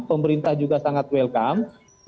pemerintah juga sangat welcome